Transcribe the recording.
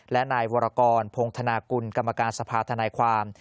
และนายวรกรพงธนากุลกรรมการสภาธนายความ